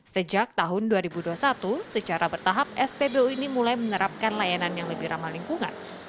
sejak tahun dua ribu dua puluh satu secara bertahap spbu ini mulai menerapkan layanan yang lebih ramah lingkungan